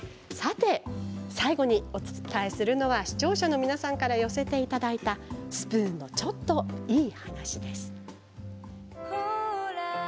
最後にお伝えするのは視聴者の皆さんから寄せていただいたスプーンのちょっといい話です。